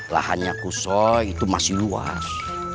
lahannya kosong itu masih luas